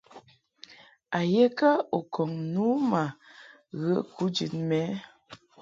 A ye kə u kɔŋ nu ma ghə kujid mɛ ɛ ?